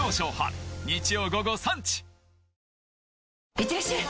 いってらっしゃい！